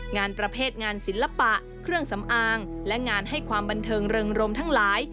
งานประเภทงานศิลปะเครื่องสำอางและงานให้ความบันเทิงเริงรมทั้งหลาย